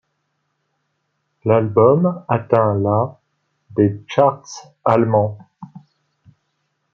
L'album atteint la des charts allemands.